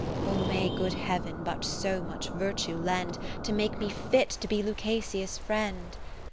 O may good Heav'n but so much virtue lend, To make me fit to be Lucasia's Friend